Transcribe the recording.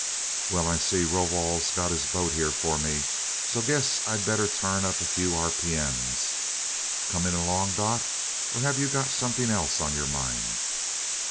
Well, I see Rovol's got his boat here for me, so guess I'd better turn up a few r. p. m. Coming along, Dot, or have you got something else on your mind?"